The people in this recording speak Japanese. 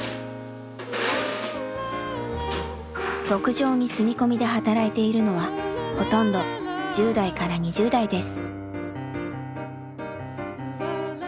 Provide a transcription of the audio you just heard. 牧場に住み込みで働いているのはほとんど１０代から２０代です。